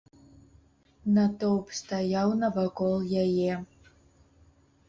Натоўп стаяў навакол яе.